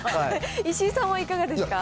石井さんはいかがですか？